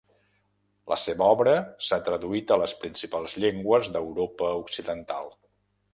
La seva obra s'ha traduït a les principals llengües d'Europa occidental.